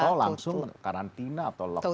kalau langsung karantina atau lockdown